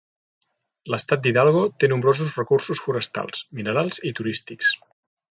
L'estat d'Hidalgo té nombrosos recursos forestals, minerals i turístics.